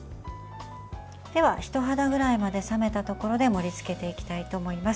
では、人肌くらいまで冷めたところで盛りつけていきたいと思います。